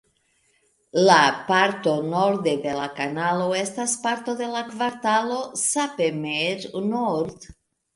La parto norde de la kanalo estas parto de la kvartalo Sappemeer-Noord.